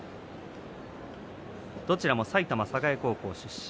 どちらも埼玉栄高校出身。